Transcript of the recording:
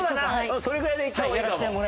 それぐらいでいった方がいいかも。